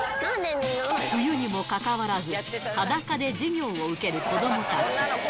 冬にもかかわらず、裸で授業を受ける子どもたち。